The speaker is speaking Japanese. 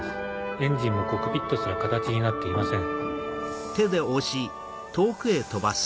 エンジンもコックピットすら形になっていません。